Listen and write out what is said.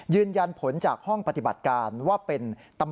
ยืนยันผลจากห้องปฏิบัติการว่าเป็นตำรวจ